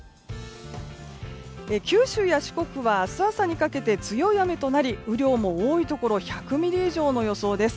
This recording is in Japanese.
九州や四国は明日朝にかけて強い雨となり雨量も、多いところで１００ミリ以上の予想です。